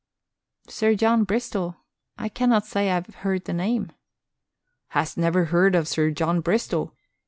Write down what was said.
"Sir John Bristol? I cannot say I have heard that name." "Hast never heard of Sir John Bristol?